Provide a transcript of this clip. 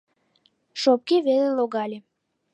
Шопке веле логале.